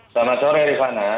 selamat sore rifana